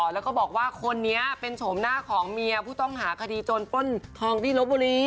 แล้วก็บอกว่าคนนี้เป็นโฉมหน้าของเมียผู้ต้องหาคดีโจรปล้นทองที่ลบบุรี